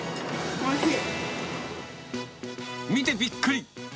おいしい。